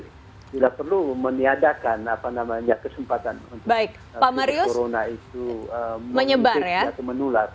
tidak perlu meniadakan kesempatan untuk corona itu menular